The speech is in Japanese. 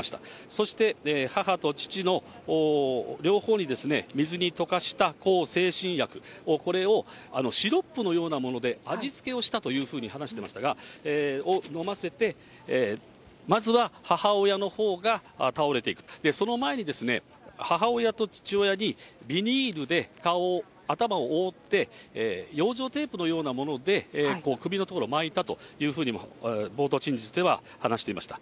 そして、母と父の両方に、水に溶かした向精神薬、これをシロップのようなもので味付けをしたというふうに話していましたが、を飲ませて、まずは母親のほうが倒れていく、その前に母親と父親にビニールで顔を、頭を覆って、養生テープのようなもので首のところを巻いたというふうにも冒頭陳述では話していました。